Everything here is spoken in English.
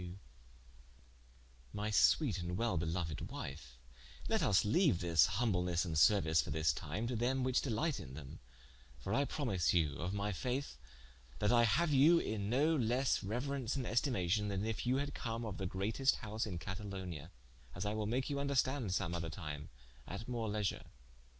Whereunto Didaco aunswered: "My sweete and welbeloued wife, let vs leaue this humblenesse and seruice for this time, to them whiche delight in them: for I promise you of my faith, that I haue you in no lesse reuerence and estimation, then if you had come of the greatest house in Cathalongne: as I will make you vnderstande some other time, at more leasure.